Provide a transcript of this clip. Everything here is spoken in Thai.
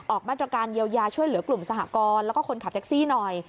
มาตรการเยียวยาช่วยเหลือกลุ่มสหกรณ์แล้วก็คนขับแท็กซี่หน่อย